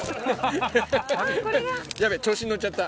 調子に乗っちゃった。